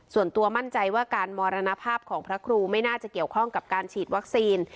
ส่วนตัวมั่นใจว่าการมรณภาพของพระครูไม่น่าจะเกี่ยวข้องกับการฉีดวัคซีน